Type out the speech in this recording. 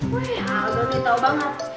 wah aldon tau banget